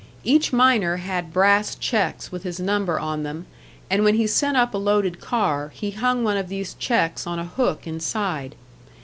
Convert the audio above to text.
Each miner had brass checks with his number on them, and when he sent up a loaded car, he hung one of these checks on a hook inside.